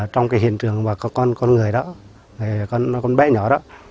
trong cái hiện trường mà có con người đó con bé nhỏ đó